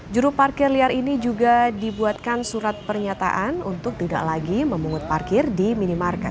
juru parkir liar ini juga dibuatkan surat pernyataan untuk tidak lagi memungut parkir di minimarket